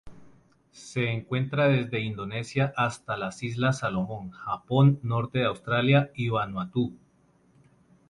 Se encuentra desde Indonesia hasta las Islas Salomón, Japón, norte de Australia y Vanuatu.